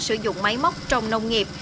sử dụng máy móc trong nông nghiệp